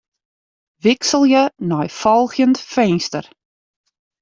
Wikselje nei folgjend finster.